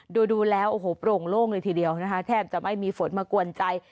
ดูแล้วโอ้โหโปร่งโล่งเลยทีเดียวนะคะแทบจะไม่มีฝนมากวนใจ